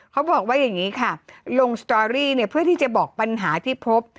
เขาบอกว่าอย่างนี้ค่ะลงสตอรี่เนี่ยเพื่อที่จะบอกปัญหาที่พบ